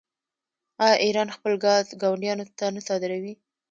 آیا ایران خپل ګاز ګاونډیانو ته نه صادروي؟